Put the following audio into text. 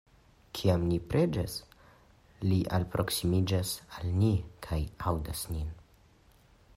Kiam ni preĝas, Li alproksimiĝas al ni, kaj aŭdas nin.